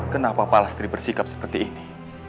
kenapa palestri bersikap seperti ini